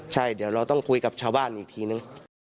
ใช่เดี๋ยวเราต้องคุยกับชาวบ้านอีกทีนึง